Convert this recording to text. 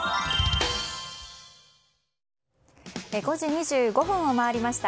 ５時２５分を回りました。